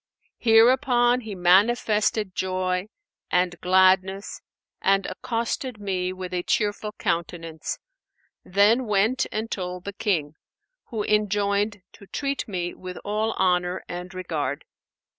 Hereupon he manifested joy and gladness and accosted me with a cheerful countenance, then went and told the King, who enjoined to treat me with all honour and regard.